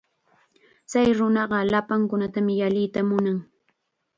Chay nunaqa llapankunatam llalliya munan.